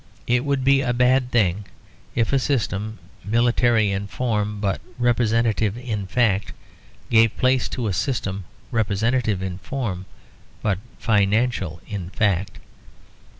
It would be a bad thing if a system military in form but representative in fact gave place to a system representative in form but financial in fact.